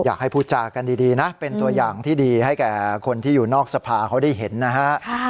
อยากให้พูดจากันดีนะเป็นตัวอย่างที่ดีให้แก่คนที่อยู่นอกสภาเขาได้เห็นนะฮะ